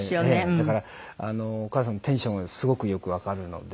だからお母さんのテンションがすごくよくわかるので。